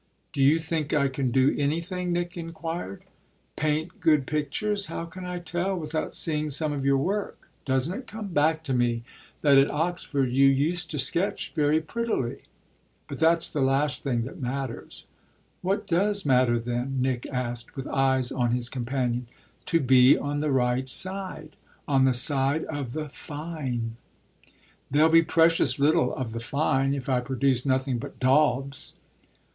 "Do you think I can do anything?" Nick inquired. "Paint good pictures? How can I tell without seeing some of your work? Doesn't it come back to me that at Oxford you used to sketch very prettily? But that's the last thing that matters." "What does matter then?" Nick asked with his eyes on his companion. "To be on the right side on the side of the 'fine.'" "There'll be precious little of the 'fine' if I produce nothing but daubs."